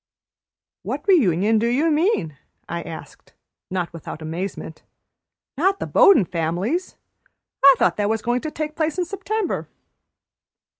"What reunion do you mean?" I asked, not without amazement. "Not the Bowden Family's? I thought that was going to take place in September."